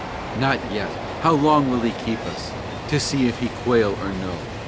Not yet! how long will he keep us, To see if he quail or no?